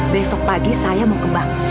besok pagi saya mau kembang